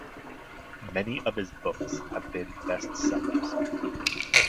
Many of his books have been bestsellers.